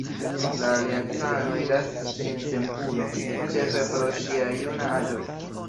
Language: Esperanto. La aliancanoj lasis ŝin sen puno, ĉefe pro ŝia juna aĝo.